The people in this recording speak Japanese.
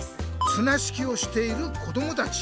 つな引きをしているこどもたち。